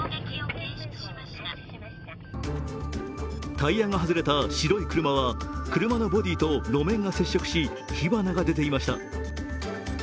タイヤが外れた白い車は、車のボディーと路面が接触し、火花が出ていました。